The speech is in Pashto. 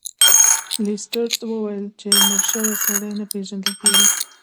لیسټرډ وویل چې مړ شوی سړی نه پیژندل کیږي.